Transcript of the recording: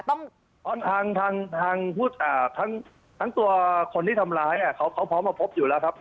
ทางทั้งตัวคนที่ทำร้ายเขาพร้อมมาพบอยู่แล้วครับ